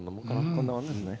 こんなもんですね。